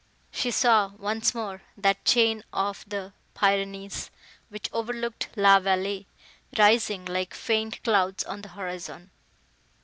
She saw, once more, that chain of the Pyrenees, which overlooked La Vallée, rising, like faint clouds, on the horizon.